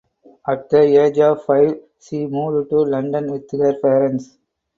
At the age of five she moved to London with her parents.